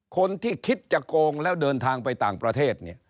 คนที่คิดจะโกงแล้วเดินทางไปต่างประเทศเนี่ย